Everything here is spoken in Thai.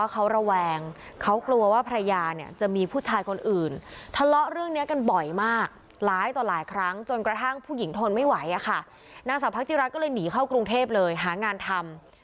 กระทั่งผู้หญิงทนไม่ไหวอ่ะค่ะนางสาวพักจิราก็เลยหนีเข้ากรุงเทพเลยหางานทำ